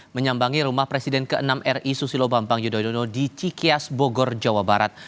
menyambangi rumah presiden ke enam ri susilo bambang yudhoyono di cikias bogor jawa barat